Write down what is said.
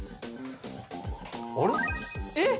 あれっ？えっ？